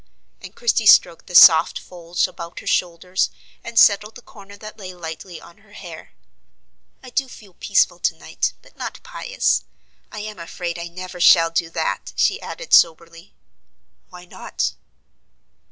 And Christie stroked the soft folds about her shoulders, and settled the corner that lay lightly on her hair. "I do feel peaceful to night, but not pious. I am afraid I never shall do that," she added soberly. "Why not?"